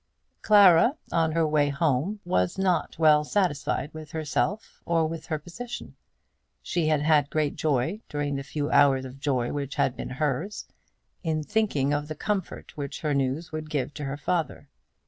Clara on her way home was not well satisfied with herself or with her position. She had had great joy, during the few hours of joy which had been hers, in thinking of the comfort which her news would give to her father.